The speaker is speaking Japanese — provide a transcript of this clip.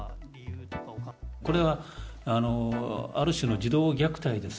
これはある種の児童虐待です。